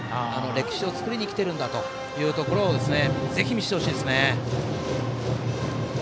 歴史を作りに来ているんだというところをぜひ見せてほしいですね。